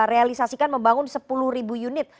realisasikan membangun sepuluh unit